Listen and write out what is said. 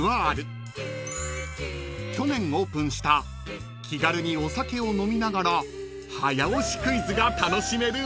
［去年オープンした気軽にお酒を飲みながら早押しクイズが楽しめるお店です］